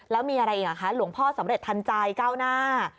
แล้วมีอะไรอีกอ่ะคะหลวงพ่อสำเร็จทันใจก้าวหน้า